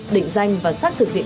định danh và xác thực định